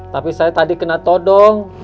tapi saya tadi kena todong